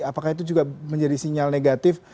apakah itu juga menjadi sinyal negatif